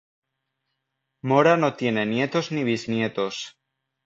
Mora no tiene nietos ni bisnietos.